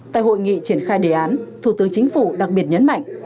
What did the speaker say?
tại hội nghị triển khai đề án thủ tướng chính phủ đặc biệt nhấn mạnh